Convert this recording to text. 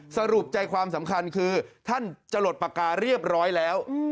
สรุปใจความสำคัญคือท่านจะหลดปากกาเรียบร้อยแล้ว